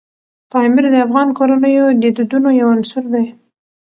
پامیر د افغان کورنیو د دودونو یو عنصر دی.